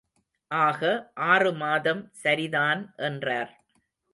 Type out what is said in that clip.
ஆக ஆறு மாதம் சரிதான் என்றார்.